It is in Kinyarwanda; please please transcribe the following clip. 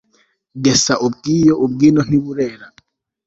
gesa ubw'iyo, ubw'ino ntiburera